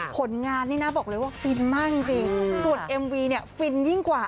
ผลงานนี่นะบอกเลยว่าฟินมากจริงส่วนเอ็มวีเนี่ยฟินยิ่งกว่า